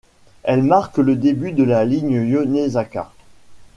Elle marque le début de la ligne Yonesaka.